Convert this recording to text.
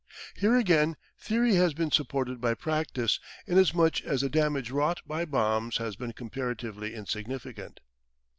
Here again theory has been supported by practice, inasmuch as the damage wrought by bombs has been comparatively insignificant.